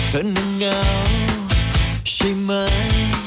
เธอนั่งเงาใช่ไหม